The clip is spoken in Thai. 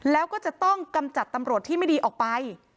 แล้วก็จะต้องกำจัดตำรวจที่ไม่ดีออกไป